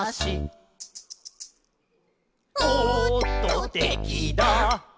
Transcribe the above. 「おっとてきだ」